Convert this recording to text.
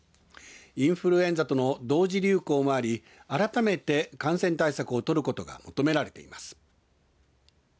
インフルエンザとの同時流行もあり改めて感染対策を取ることが求められています。